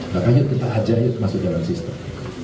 makanya kita ajaknya masuk jalan sistem